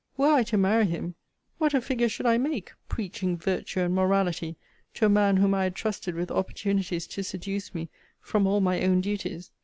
Were I to marry him, what a figure should I make, preaching virtue and morality to a man whom I had trusted with opportunities to seduce me from all my own duties!